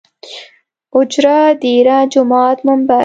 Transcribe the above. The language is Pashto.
اوجره ، ديره ،جومات ،ممبر